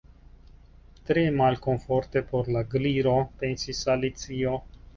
"Tre malkomforte por la Gliro," pensis Alicio.